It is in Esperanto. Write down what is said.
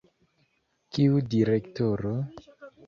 Kiu direktoro?